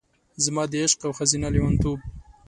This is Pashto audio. زما د عشق او ښځینه لیونتوب،